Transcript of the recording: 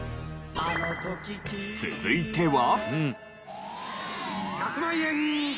続いては。